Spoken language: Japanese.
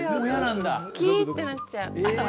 キってなっちゃう。